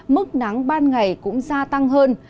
mức nắng ban ngày cũng gia tăng hơn